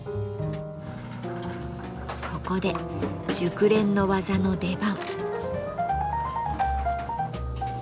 ここで熟練の技の出番。